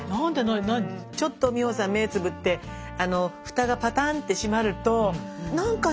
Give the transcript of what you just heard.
ちょっと美穂さん目つぶってフタがパタンって閉まると何かね